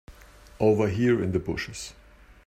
Over here in the bushes.